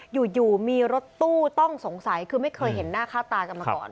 อยู่มีรถตู้ต้องสงสัยคือไม่เคยเห็นหน้าค่าตากันมาก่อน